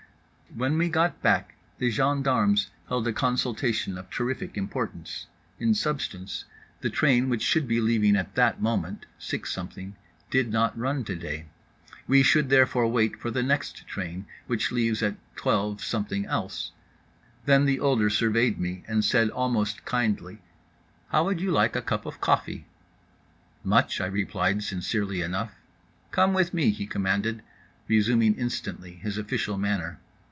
When we got back the gendarmes held a consultation of terrific importance; in substance, the train which should be leaving at that moment (six something) did not run to day. We should therefore wait for the next train, which leaves at twelve something else. Then the older surveyed me and said almost kindly: "How would you like a cup of coffee?"—"Much," I replied sincerely enough.—"Come with me," he commanded, resuming instantly his official manner.